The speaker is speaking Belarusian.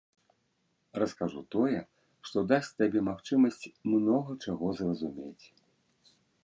Раскажу тое, што дасць табе магчымасць многа чаго зразумець.